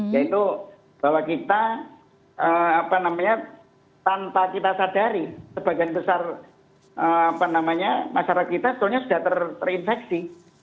yaitu bahwa kita tanpa kita sadari sebagian besar masyarakat kita sebenarnya sudah terinfeksi